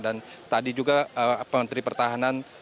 dan tadi juga pemerintah pertahanan